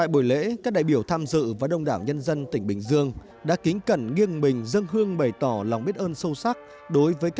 buổi lễ được tỉnh bình dương và thị xã bến cát tổ chức